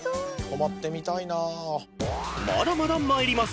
［まだまだ参ります。